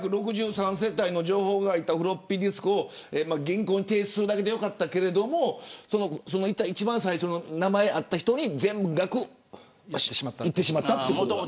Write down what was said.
４６３世帯の情報が入ったフロッピーディスクを銀行に提出するだけでよかったけれども一番最初の名前があった人に全額いってしまったということ。